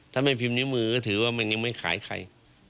ถ้าไม่พิมพ์ก็ถือว่าไม่ขายใคร